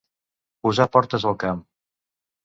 Posar portes al camp.